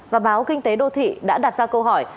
và báo kinh tế đô thị đã đặt ra câu hỏi